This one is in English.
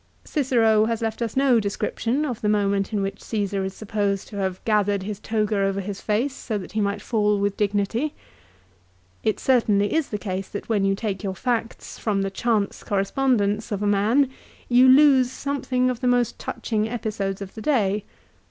Cicero has left us no description of the moment in which Caesar is supposed to have gathered his toga over his face so that he might fall with dignity. It certainly is the case that when you take your facts from the chance correspondence of a man you lose something of the most touching episodes of the day.